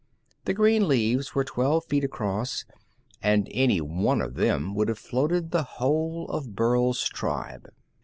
The green leaves were twelve feet across, and any one of them would have floated the whole of Burl's tribe.